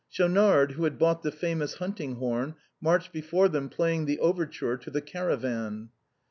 Schaunard, who had bought the famous hunting horn, marched before them playing the overture to "The Caravan."